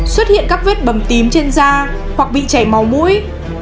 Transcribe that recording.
xuất hiện các vết bầm tím trên da hoặc bị chảy máu mũi